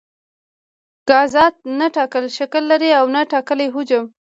ګازات نه ټاکلی شکل لري او نه ټاکلی حجم.